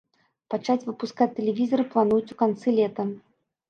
Пачаць выпускаць тэлевізары плануюць у канцы лета.